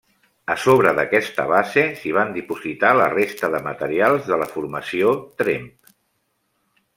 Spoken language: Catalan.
A sobre d'aquesta base s'hi van dipositar la resta de materials de la Formació Tremp.